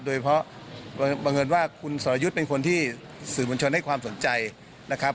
โดยเพราะบังเอิญว่าคุณสรยุทธ์เป็นคนที่สื่อมวลชนให้ความสนใจนะครับ